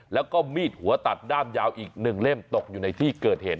แล้วก็มีดหัวตัดด้ามยาวอีก๑เล่มตกอยู่ในที่เกิดเหตุ